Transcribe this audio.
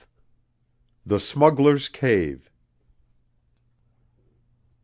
THE SMUGGLER'S CAVE.